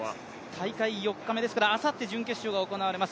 大会４日目ですから、あさって準決勝が行われます。